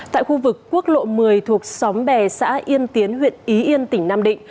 tại khu vực quốc lộ một mươi thuộc xóm bè xã yên tiến huyện ý yên tỉnh nam định